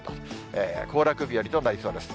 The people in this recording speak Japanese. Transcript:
行楽日和となりそうです。